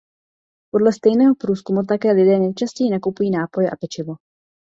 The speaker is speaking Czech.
Podle stejného průzkumu také lidé nejčastěji kupují nápoje a pečivo.